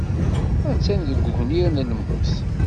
Attan deg ugnir n lmut.